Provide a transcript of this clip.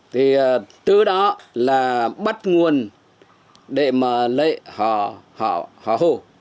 thì từ đó là bắt nguồn để mà lấy họ hồ